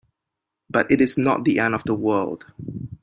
But it is not the end of the world.